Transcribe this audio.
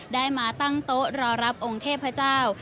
ได้มาตั้งโต๊ะรอรับองค์เทพเจ้า